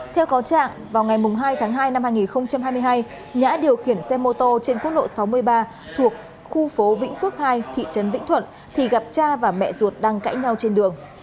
theo cáo trạng vào ngày hai tháng hai năm hai nghìn hai mươi hai nhã điều khiển xe mô tô trên quốc lộ sáu mươi ba thuộc khu phố vĩnh phước hai thị trấn vĩnh thuận thì gặp cha và mẹ ruột đang cãi nhau trên đường